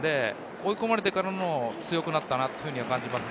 追い込まれてから強くなったと感じます。